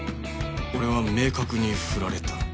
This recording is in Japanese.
俺は明確に振られた